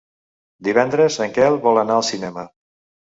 Divendres en Quel vol anar al cinema.